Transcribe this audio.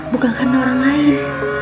bukan karena orang lain